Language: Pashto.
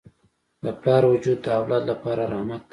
د پلار وجود د اولاد لپاره رحمت دی.